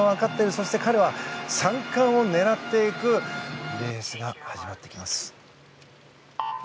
そして彼は３冠を狙っていくレースが始まっていきます。